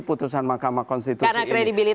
putusan mahkamah konstitusi ini